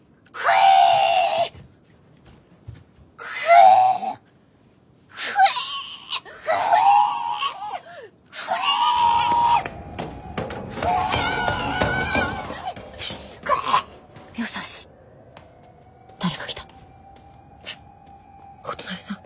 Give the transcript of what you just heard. お隣さん？